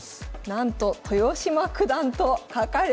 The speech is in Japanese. なんと豊島九段と書かれております。